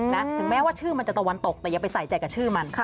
ถึงแม้ว่าชื่อมันจะตะวันตกแต่อย่าไปใส่ใจกับชื่อมัน